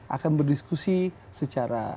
akan berdiskusi secara